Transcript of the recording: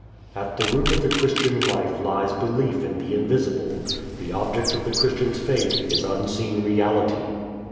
At the root of the Christian life lies belief in the invisible. The object of the Christian's faith is unseen reality.